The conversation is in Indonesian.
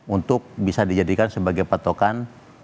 untuk bisa dijadikan sebagai patokan